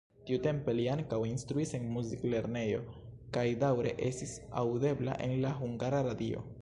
Tiutempe li ankaŭ instruis en muziklernejo kaj daŭre estis aŭdebla en la Hungara Radio.